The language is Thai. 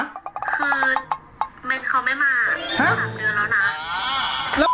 คือเม็ดเขาไม่มาหลับเดือนแล้วนะ